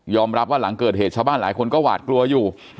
รับว่าหลังเกิดเหตุชาวบ้านหลายคนก็หวาดกลัวอยู่